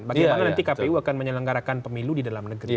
bagaimana nanti kpu akan menyelenggarakan pemilu di dalam negeri